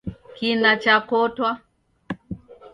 Kina chakotwa